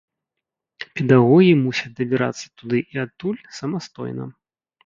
Педагогі мусяць дабірацца туды і адтуль самастойна.